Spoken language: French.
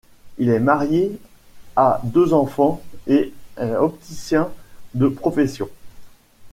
Il est marié, a deux enfants et est opticien de profession.